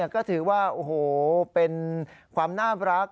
ก็ถือว่าโอ้โหเป็นความน่ารัก